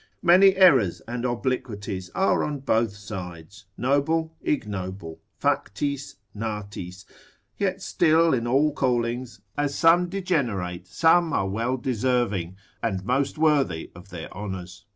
Many errors and obliquities are on both sides, noble, ignoble, factis, natis; yet still in all callings, as some degenerate, some are well deserving, and most worthy of their honours.